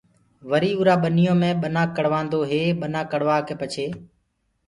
وري اُرآ ٻنيو مي ٻنآ ڪڙوآدو هي ٻنآ ڪڙوآڪي پڇي